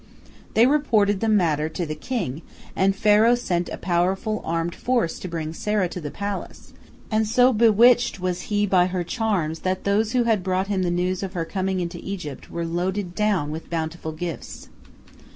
They reported the matter to the king, and Pharaoh sent a powerful armed force to bring Sarah to the palace, and so bewitched was he by her charms that those who had brought him the news of her coming into Egypt were loaded down with bountiful gifts.